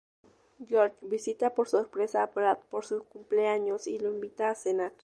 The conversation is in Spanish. George visita por sorpresa a Brad por su cumpleaños y lo invita a cenar.